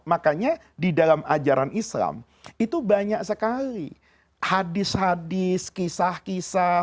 makanya di dalam ajaran islam itu banyak sekali hadis hadis kisah kisah